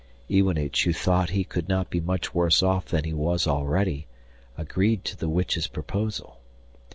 Iwanich, who thought he could not be much worse off than he was already, agreed to the witch's proposal.